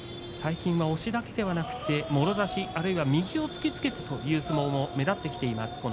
最近は押しだけではなくてもろ差し、あるいは右を突きつけてという相撲も目立ってきています